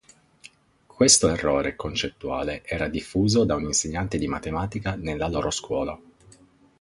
Questo errore concettuale era stato diffuso da un insegnante di matematica nella loro scuola.